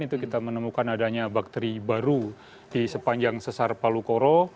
itu kita menemukan adanya bakteri baru di sepanjang sesar palu koro